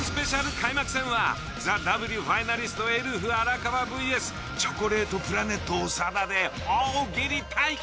開幕戦は「ＴＨＥＷ」ファイナリストエルフ荒川ｖｓチョコレートプラネット長田で大喜利対決。